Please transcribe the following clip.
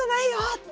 って。